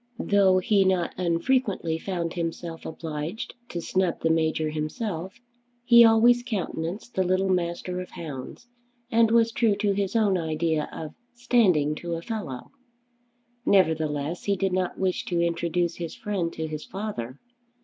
Though he not unfrequently found himself obliged to snub the Major himself, he always countenanced the little Master of Hounds, and was true to his own idea of "standing to a fellow." Nevertheless he did not wish to introduce his friend to his father.